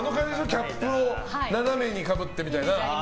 キャップを斜めにかぶってみたいな。